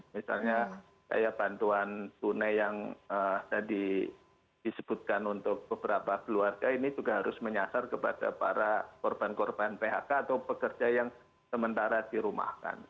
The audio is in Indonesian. misalnya kayak bantuan tunai yang tadi disebutkan untuk beberapa keluarga ini juga harus menyasar kepada para korban korban phk atau pekerja yang sementara dirumahkan